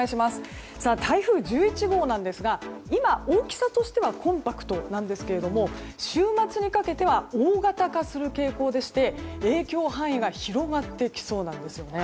台風１１号なんですが今、大きさとしてはコンパクトなんですが週末にかけては大型化する傾向でして影響範囲が広がってきそうなんです。